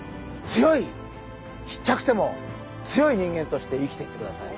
強いちっちゃくても強い人間として生きていってください。